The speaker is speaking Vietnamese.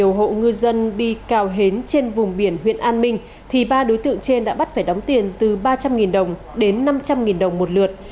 kết quả điều tra trong thời gian qua nhiều hộ ngư dân đi cào hến trên vùng biển huyện an minh thì ba đối tượng trên đã bắt phải đóng tiền từ ba trăm linh đồng đến năm trăm linh đồng một lượt